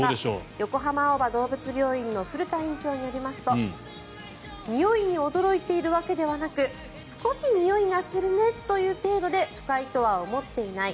横浜青葉どうぶつ病院の古田院長によりますとにおいに驚いているわけではなく少しにおいがするねという程度で不快とは思っていない。